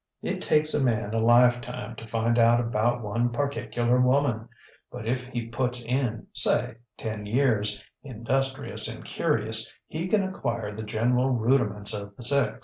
It takes a man a lifetime to find out about one particular woman; but if he puts in, say, ten years, industrious and curious, he can acquire the general rudiments of the sex.